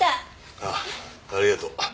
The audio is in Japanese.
ああありがとう。